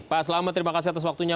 pak selamat terima kasih atas waktunya